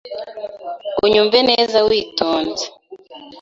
Unyumve neza witonze .